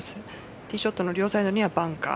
ティーショットの両サイドにはバンカー。